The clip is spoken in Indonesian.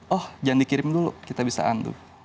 oh jangan dikirim dulu kita bisa ambil